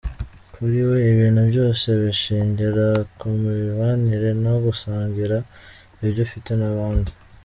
Kuri we, ibintu byose bishingira ku mibanire no gusangira ibyo ufite n’abandi.